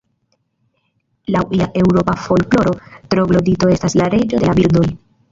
Laŭ ia eŭropa folkloro, troglodito estas la Reĝo de la Birdoj.